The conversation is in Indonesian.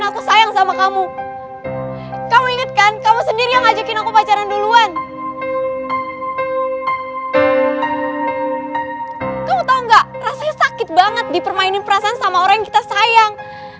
kamu tau gak rasanya sakit banget dipermainin perasaan sama orang yang kita sayang